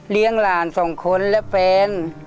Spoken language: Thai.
เลี้ยงหลานสองคนและแฟน